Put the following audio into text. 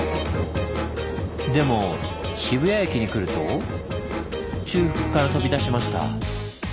でも渋谷駅に来ると中腹から飛び出しました。